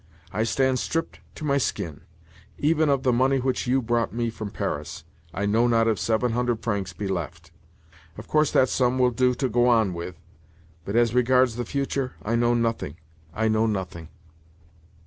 I stand stripped to my skin. Even of the money which you brought me from Paris, I know not if seven hundred francs be left. Of course that sum will do to go on with, but, as regards the future, I know nothing, I know nothing."